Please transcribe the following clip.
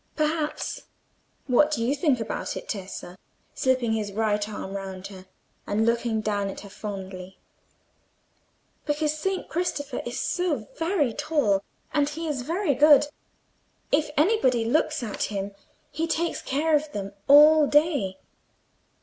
"Perhaps. What do you think about it, Tessa?" said Tito, slipping his right arm round her, and looking down at her fondly. "Because Saint Christopher is so very tall; and he is very good: if anybody looks at him he takes care of them all day.